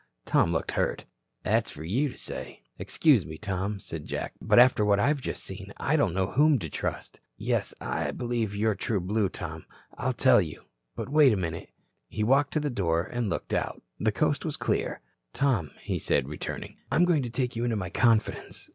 Tom looked hurt. "That's fer you to say." "Excuse me, Tom," said Jack. "But after what I've just seen I don't know whom to trust. Yes, I believe you're true blue, Tom. I'll tell you. But wait a minute." He walked to the door and looked out. The coast was clear. "Tom," said he, returning, "I'm going to take you into my confidence.